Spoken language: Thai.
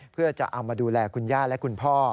เพื่อจะเอามาดูแลคุณย่าและคุณพ่อ